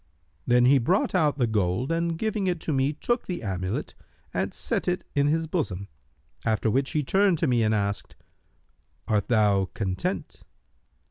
Then he brought out the gold and giving it to me took the amulet, and set it in his bosom; after which he turned to me and asked, 'Art thou content?'